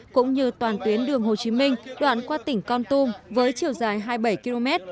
cũng như toàn tuyến đường hồ chí minh đoạn qua tỉnh con tum với chiều dài hai mươi bảy km